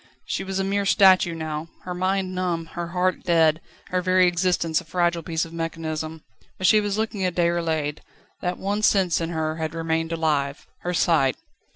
She was a mere statue now, her mind numb, her heart dead, her very existence a fragile piece of mechanism. But she was looking at Déroulède. That one sense in her had remained alive: her sight.